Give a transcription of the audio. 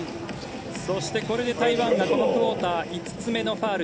そして、これで台湾がこのクオーター５つ目のファウル。